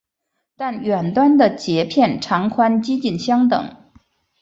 但远端的节片长宽几近相等。